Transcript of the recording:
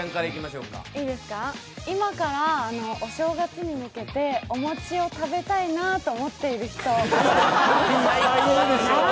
今からお正月に向けてお餅を食べたいなと思っている人。